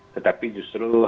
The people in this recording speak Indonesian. tetapi justru harusnya